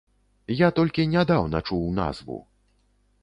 Я толькі нядаўна чуў назву.